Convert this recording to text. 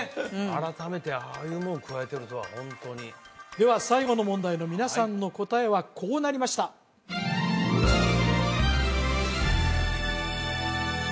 改めてああいうもんをくわえてるとはホントにでは最後の問題の皆さんの答えはこうなりましたさあ